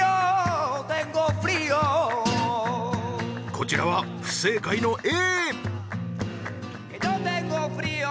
こちらは不正解のＡ